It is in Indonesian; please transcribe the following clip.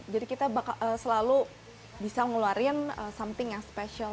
jadi kita selalu bisa ngeluarin something yang special